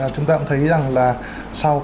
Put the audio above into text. chúng ta cũng thấy rằng là sau